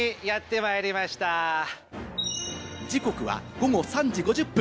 時刻は午後３時５０分。